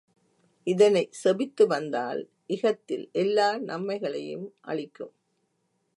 இதனைச் செபித்துவந்தால் இகத்தில் எல்லா நம்மைகளையும் அளிக்கும்.